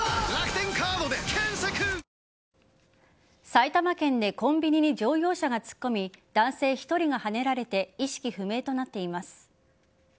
埼玉県でコンビニに乗用車が突っ込み男性１人がはねられて意識不明となっています。